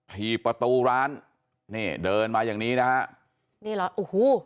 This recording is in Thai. ถีบประตูร้านนี่เดินมาอย่างนี้นะฮะนี่เหรอโอ้โห